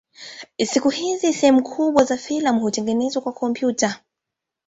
Siku hizi sehemu kubwa za filamu hutengenezwa kwa kompyuta.